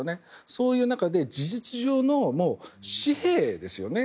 そういう中で、事実上のもう私兵ですよね。